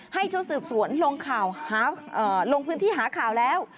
ให้ชุดสืบสวนลงพื้นที่หาข่าวแล้ว